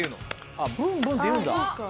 あっブンブンっていうんだ。